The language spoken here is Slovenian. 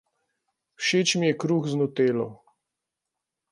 Všeč mi je kruh z nutelo.